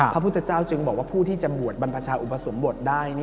พระพุทธเจ้าจึงบอกว่าผู้ที่จะบวชบรรพชาอุปสมบทได้